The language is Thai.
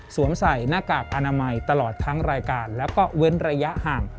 ใส่หน้ากากอนามัยตลอดทั้งรายการแล้วก็เว้นระยะห่าง